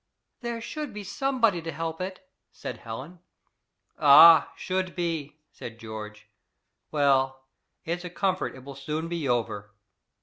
"There should be somebody to help it," said Helen. "Ah! Should be!" said George. " Well, it's a comfort it will soon be over!"